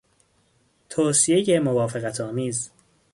توصیهی موافقتآمیز